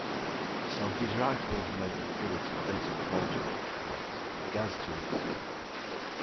Some of these rifles may exhibit canted front sight blocks and gas tubes.